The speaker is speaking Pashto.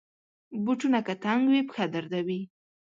بوټونه که تنګ وي، پښه دردوي.